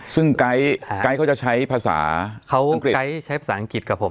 ซึ่งไก๊เขาจะใช้ภาษาเขาไกด์ใช้ภาษาอังกฤษกับผม